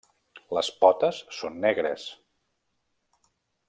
Les potes són negres.